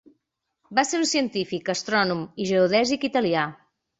Va ser un científic, astrònom i geodèsic italià.